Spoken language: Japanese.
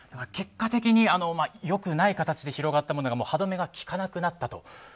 結果的に良くない形で広がったのが歯止めがきかなくなったと。